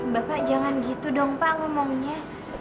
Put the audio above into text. bapak jangan gitu dong pak ngomongnya